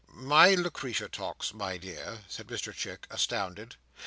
"My Lucretia Tox, my dear!" said Mr Chick, astounded.